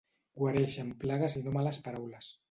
Guareixen plagues i no males paraules.